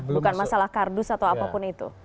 bukan masalah kardus atau apapun itu